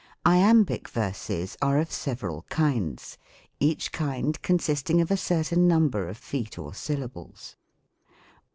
Iambic verses are of several kinds, each kind con sisting of a certain number of feet or syllables.